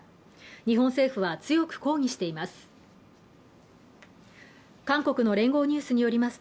日本政府は強く抗議しています。